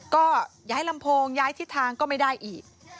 ก็ย้ายลำโพงย้ายทิศทางก็ไม่ได้อีก